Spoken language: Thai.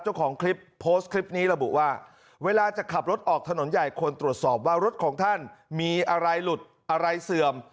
เจ้าของคลิปโพสต์คลิปนี้ระบุว่าเวลาจะขับรถออกถนนใหญ่ควรตรวจสอบว่ารถของท่านมีอะไรหลุดอะไรเสื่อม